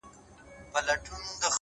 دا وايي دا توره بلا وړي څوك ـ